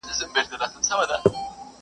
o اول ځان، پسې جهان٫